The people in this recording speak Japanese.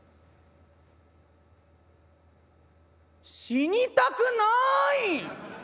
「死にたくない！